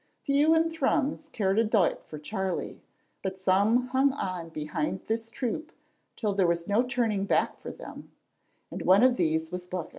Few in Thrums cared a doit for Charlie, but some hung on behind this troop till there was no turning back for them, and one of these was Buchan.